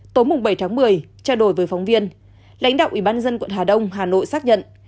tối bảy tháng một mươi trao đổi với phóng viên lãnh đạo ủy ban dân quận hà đông hà nội xác nhận